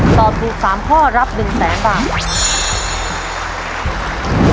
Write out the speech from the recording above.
ตอบถูก๓ข้อรับ๑แสนบาท